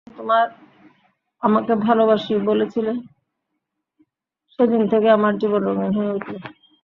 প্রথম যেদিন তোমার আমাকে ভালোবাসি বলেছিলে, সেদিন থেকেই আমার জীবন রঙ্গিন হয়ে ওঠে।